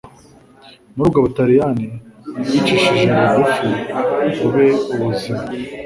Muri ubwo Butaliyani bwicishije bugufi ube ubuzima